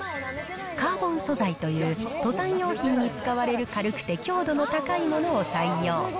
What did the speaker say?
カーボン素材という、登山用品に使われる軽くて強度の高いものを採用。